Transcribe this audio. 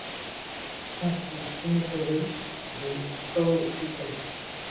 Francis Cemetery de Pawtucket.